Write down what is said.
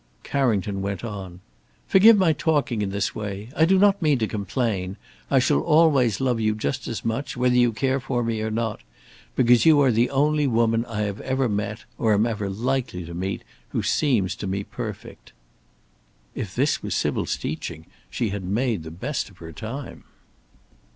Carrington went on: "Forgive my talking in this way. I do not mean to complain. I shall always love you just as much, whether you care for me or not, because you are the only woman I have ever met, or am ever likely to meet, who seems to me perfect." If this was Sybil's teaching, she had made the best of her time.